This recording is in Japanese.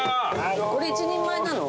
これ１人前なの？